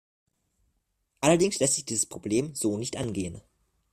Allerdings lässt sich dieses Problem so nicht angehen.